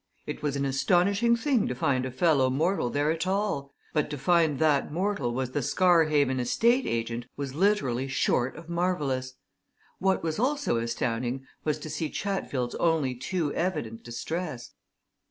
It was an astonishing thing to find a fellow mortal there at all, but to find that mortal was the Scarhaven estate agent was literally short of marvellous. What was also astounding was to see Chatfield's only too evident distress.